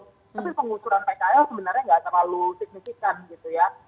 tapi pengusuran pkl sebenarnya nggak terlalu signifikan gitu ya